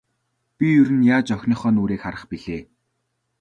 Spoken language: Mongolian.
Би ер нь яаж охиныхоо нүүрийг харах билээ.